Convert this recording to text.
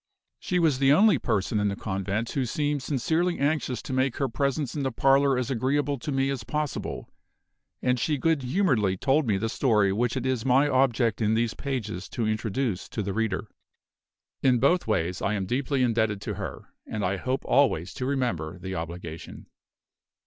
She was the only person in the convent who seemed sincerely anxious to make her presence in the parlor as agreeable to me as possible; and she good humoredly told me the story which it is my object in these pages to introduce to the reader. In both ways I am deeply indebted to her; and I hope always to remember the obligation.